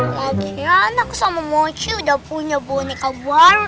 maksudnya anak sama mochi udah punya boneka baru